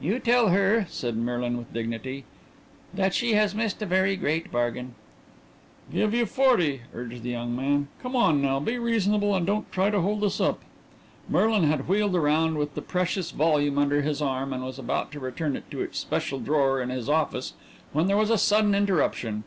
"You tell her," said Merlin with dignity, "that she has missed a very great bargain." "Give you forty," urged the young man. "Come on now be reasonable and don't try to hold us up " Merlin had wheeled around with the precious volume under his arm and was about to return it to its special drawer in his office when there was a sudden interruption.